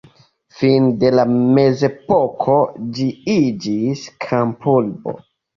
Fine de la mezepoko ĝi iĝis kampurbo.